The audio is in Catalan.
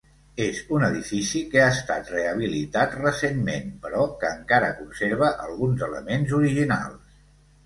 És un edifici que ha estat rehabilitat recentment, però que encara conserva alguns elements originals.